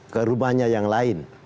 ke rumahnya yang lain